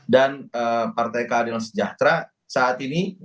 dan partai karo adil sejahtera saat ini